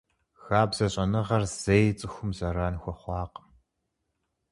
Хабзэ щӀэныгъэр зэи цӀыхум зэран хуэхъуакъым.